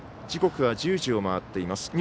時刻は１０時を回っています。